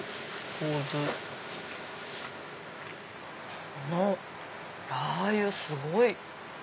このラー油すごい！